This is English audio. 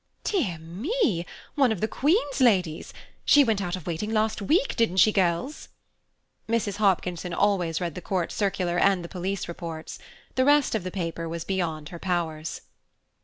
"Dear me, one of the Queen's Ladies. She went out of waiting last week, didn't she, girls?" Mrs. Hopkinson always read the Court Circular and the Police Reports. The rest of the paper was beyond her powers.